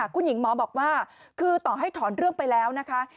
คุณหญิงหมอบอกว่าคือต่อให้ถอนเรื่องไปแล้วนะคะ